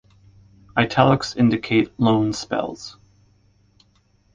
Italics indicate loan spells.